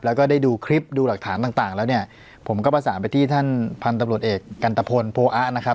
แล้วก็ได้ดูคลิปดูหลักฐานต่างต่างแล้วเนี่ยผมก็ประสานไปที่ท่านพันธุ์ตำรวจเอกกันตะพลโพอะนะครับ